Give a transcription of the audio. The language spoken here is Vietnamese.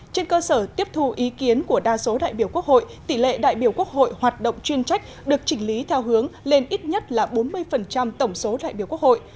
trên cơ sở tiếp thu ý kiến của đa số đại biểu quốc hội tỷ lệ đại biểu quốc hội hoạt động chuyên trách được chỉnh lý theo hướng lên ít nhất là bốn mươi tổng số đại biểu quốc hội